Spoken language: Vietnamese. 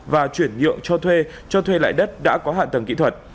và chuyển nhượng cho thuê cho thuê lại đất đã có hạ tầng kỹ thuật